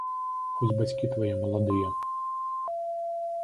Хоць бацькі твае маладыя.